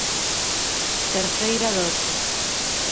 Terceira dose.